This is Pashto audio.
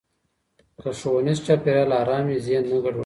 که ښوونیز چاپېریال ارام وي، ذهن نه ګډوډ کېږي.